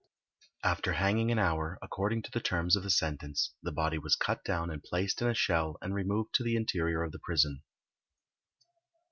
After hanging an hour, according to the terms of the sentence, the body was cut down and placed in a shell and removed to the interior of the prison.